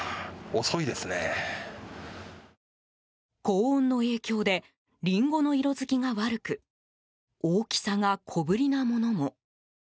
高温の影響でリンゴの色づきが悪く大きさが小ぶりなものも。